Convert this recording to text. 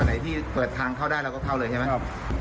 ที่เปิดทางเข้าได้เราก็เข้าเลยใช่ไหม